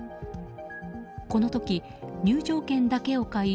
この時、入場券だけを買い